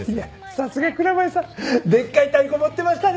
さすが蔵前さんでっかいたいこ持ってましたね。